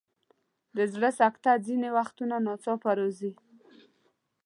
د زړه سکته ځینې وختونه ناڅاپه راځي.